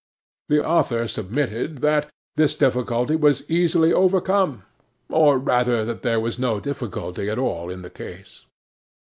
'THE AUTHOR submitted that this difficulty was easily overcome, or rather that there was no difficulty at all in the case.